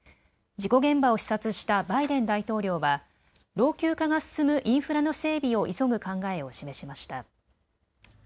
事故現場を視察したバイデン大統領は老朽化が進むインフラの整備を急ぐ考えを示しました。